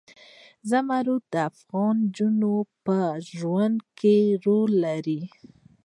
زمرد د افغان ښځو په ژوند کې رول لري.